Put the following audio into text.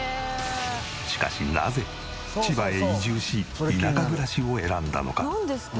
しかしなぜ千葉へ移住し田舎暮らしを選んだのか？